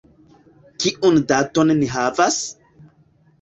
Kiun daton ni havas?